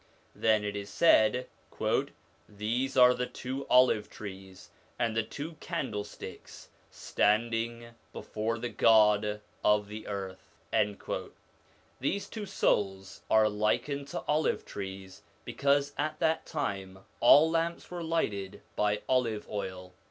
Then it is said :' These are the two olive trees and the two candlesticks standing before the God of the earth.' These two souls are likened to olive trees, because at that time all lamps were lighted by olive oil.